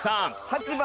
８番。